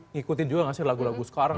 ngikutin juga gak sih lagu lagu sekarang